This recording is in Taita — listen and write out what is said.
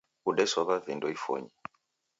Odesow'a vindo ifonyi